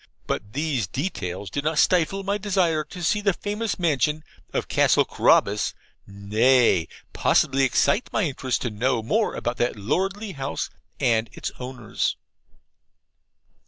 But these details did not stifle my desire to see the famous mansion of Castle Carabas, nay, possibly excited my interest to know more about that lordly house and its owners.